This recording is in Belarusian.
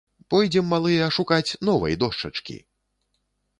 Пойдзем, малыя, шукаць новай дошчачкі!